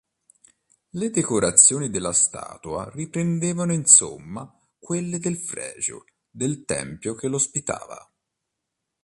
Le decorazioni della statua riprendevano insomma quelle del fregio del tempio che l'ospitava.